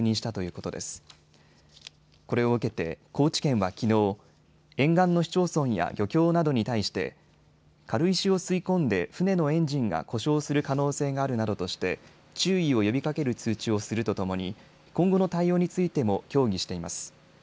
これを受けて高知県はきのう沿岸の市町村や漁協などに対して軽石を吸い込んで船のエンジンが故障する可能性があるなどとして注意を呼びかける通知をするとともに今後の対応についても協議しています。